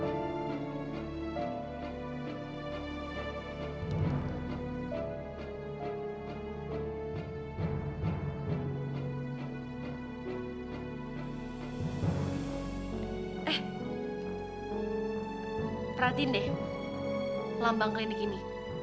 eh perhatiin deh lambang klinik ini